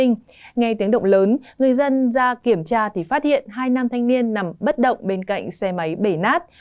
nghe tiếng động lớn người dân ra kiểm tra thì phát hiện hai nam thanh niên nằm bất động bên cạnh xe máy bể nát